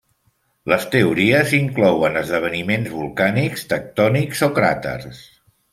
Les teories inclouen esdeveniments volcànics, tectònics o cràters.